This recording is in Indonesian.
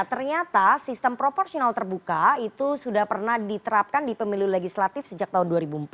ternyata sistem proporsional terbuka itu sudah pernah diterapkan di pemilu legislatif sejak tahun dua ribu empat